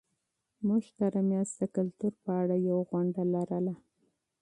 موږ تېره میاشت د کلتور په اړه یوه غونډه لرله.